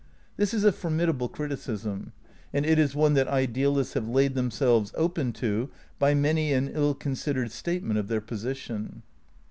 This is a formidable criticism; and it is one that idealists have laid themselves open to by many an ill considered statement of their position.